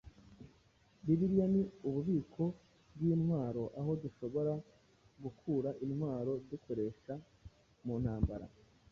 Bibiliya ni ububiko bw’intwaro aho dushobora gukura intwaro dukoresha mu ntambara.